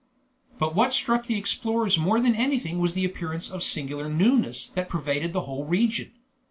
But what struck the explorers more than anything was the appearance of singular newness that pervaded the whole of the region.